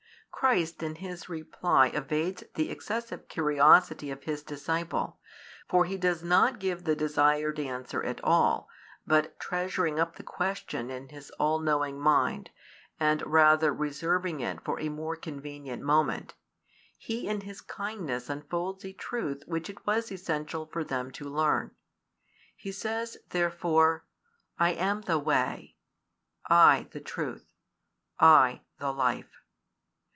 Christ in His reply evades the excessive curiosity of His disciple, for He does not give the desired answer at all, but treasuring up the question in His all knowing mind, and rather reserving it for a more convenient moment, He in His kindness unfolds a truth which it was essential for them to learn. He says, therefore: I am the Way, I the Truth, I the Life.